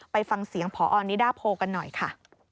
ไปฟังเสียงพอนิดาโพกันหน่อยค่ะ